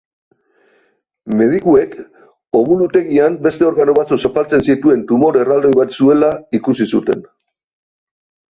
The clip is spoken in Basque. Medikuek obulutegian beste organo batzuk zapaltzen zituen tumore erraldoi bat zuela ikusi zuten.